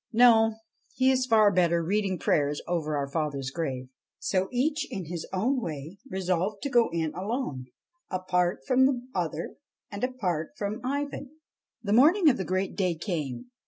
No ; he is far better reading prayers over our father's grave.' So each in his own way resolved to go in alone apart from the other and apart from Ivan. The morning of the great day came.